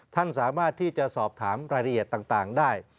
ท่านสามารถที่จะสอบถามรายละเอียดต่างได้